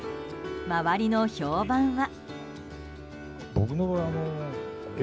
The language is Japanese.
周りの評判は。